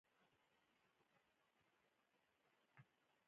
درواغجن په ټولنه کښي بې حيثيته ښکاري